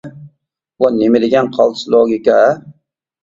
بۇ نېمە دېگەن قالتىس لوگىكا-ھە؟ !